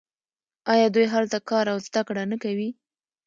آیا دوی هلته کار او زده کړه نه کوي؟